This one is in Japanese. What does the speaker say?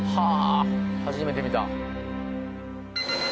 初めて見た。